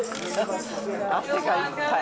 汗がいっぱい。